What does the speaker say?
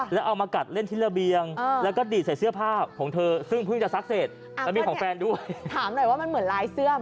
เหมือนลายเสื้อไหมละ